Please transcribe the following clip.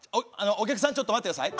お客さんちょっと待って下さい。